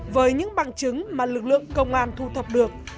với những bằng chứng mà lực lượng công an thu thập được